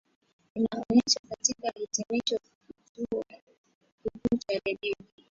imeonyeshwa katika kuhitimisha kituo kikuu cha redio